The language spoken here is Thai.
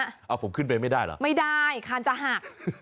เอาผมขึ้นไปไม่ได้เหรอไม่ได้คานจะหัก